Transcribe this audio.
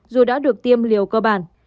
dù đã được tiêm liều cơ bản